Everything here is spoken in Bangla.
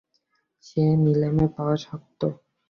সে নিলেমে পাওয়া শক্ত।